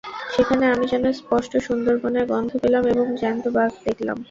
সেখানে আমি যেন স্পষ্ট সুন্দরবনের গন্ধ পেলাম এবং জ্যান্ত বাঘ দেখলাম।